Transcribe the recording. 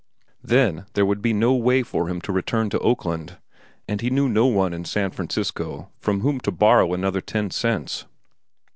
There would then be no way for him to return to Oakland, and he knew no one in San Francisco from whom to borrow another ten cents.